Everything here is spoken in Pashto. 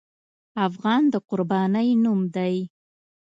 افغان د قربانۍ نوم دی.